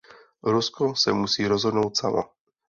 Rusko se musí rozhodnout samo.